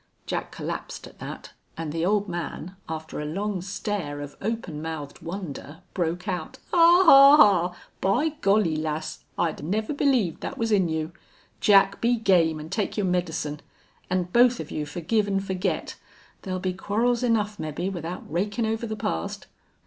Jack collapsed at that, and the old man, after a long stare of open mouthed wonder, broke out: "Haw! Haw! Haw!... By Golly! lass I'd never believed thet was in you.... Jack, be game an' take your medicine.... An' both of you forgive an' forget. Thar'll be quarrels enough, mebbe, without rakin' over the past."